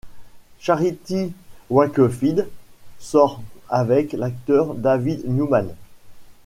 Charity Wakefield sort avec l'acteur David Newman.